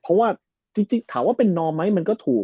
เพราะว่าจริงถามว่าเป็นนอมไหมมันก็ถูก